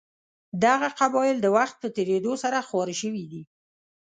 دغه قبایل د وخت په تېرېدو سره خواره شوي دي.